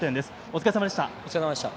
お疲れさまでした。